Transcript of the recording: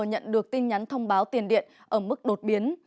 nhận được tin nhắn thông báo tiền điện ở mức đột biến